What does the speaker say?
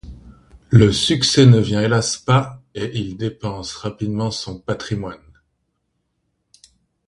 Le succès ne vient hélas pas et il dépense rapidement son patrimoine.